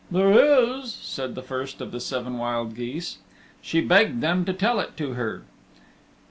"There is," said the first of the seven wild geese. She begged them to tell it to her.